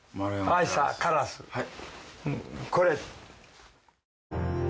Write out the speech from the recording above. これ。